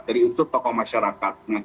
dari unsur tokoh masyarakat